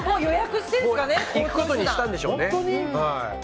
行くことにしたんでしょうね。